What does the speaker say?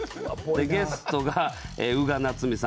ゲストが宇賀なつみさん